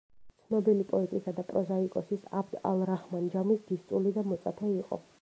ცნობილი პოეტისა და პროზაიკოსის აბდ ალ-რაჰმან ჯამის დისწული და მოწაფე იყო.